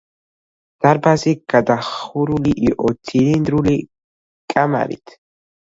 დარბაზი გადახურული იყო, ცილინდრული კამარით.